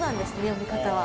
読み方は。